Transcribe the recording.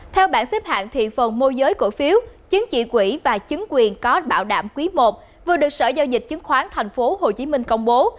theo bảng xếp hạng thị phần mô giới cổ phiếu chứng chỉ quỹ và chứng quyền có bảo đảm quý i vừa được sở giao dịch chứng khoán tp hcm công bố